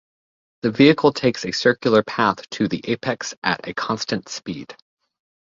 The vehicle takes a circular path to the apex at a constant speed.